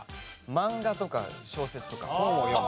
漫画とか小説とか本を読む。